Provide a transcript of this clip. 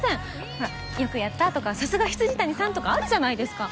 ほらよくやったとかさすが未谷さんとかあるじゃないですか。